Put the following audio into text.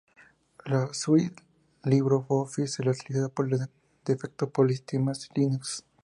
La suite Libreoffice es la utilizada por defecto para sistemas Linux.